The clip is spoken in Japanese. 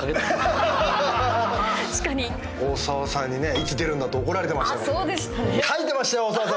大沢さんにねいつ出るんだって怒られてましたから。